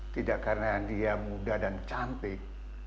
tidak karena dia muda dan cantik